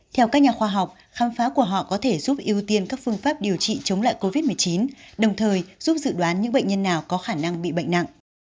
theo các nhà khoa học khám phá của họ có thể giúp ưu tiên các phương pháp điều trị chống lại covid một mươi chín đồng thời giúp dự đoán những bệnh nhân nào có khả năng bị bệnh nặng